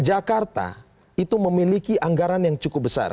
jakarta itu memiliki anggaran yang cukup besar